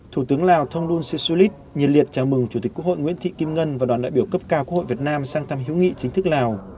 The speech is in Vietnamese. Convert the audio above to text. thủ tướng lào thông luân si su lít nhiệt liệt chào mừng chủ tịch quốc hội nguyễn thị kim ngân và đoàn đại biểu cấp cao quốc hội việt nam sang thăm hữu nghị chính thức lào